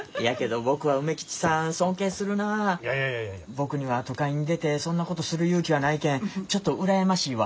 僕には都会に出てそんなことする勇気はないけんちょっと羨ましいわ。